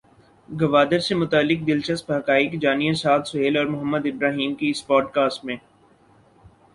گوادر سے متعلق دلچسپ حقائق جانیے سعد سہیل اور محمد ابراہیم کی اس پوڈکاسٹ میں۔